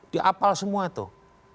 dia apal semua tuh